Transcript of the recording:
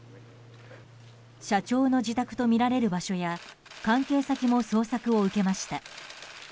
社長の自宅とみられる場所や関係先も捜索を受けました。